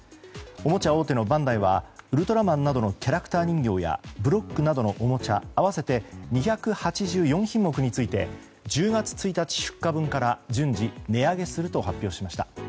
おもちゃ大手のバンダイはウルトラマンなどのキャラクター人形やブロックなどのおもちゃ合わせて２８４品目について１０月１日出荷分から順次、値上げすると発表しました。